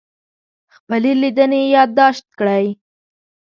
خپلې لیدنې یادداشت کړئ.